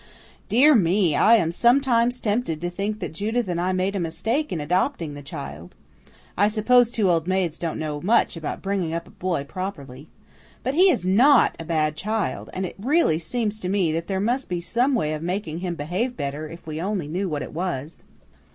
Dear me, I am sometimes tempted to think that Judith and I made a mistake in adopting the child. I suppose two old maids don't know much about bringing up a boy properly. But he is NOT a bad child, and it really seems to me that there must be some way of making him behave better if we only knew what it was."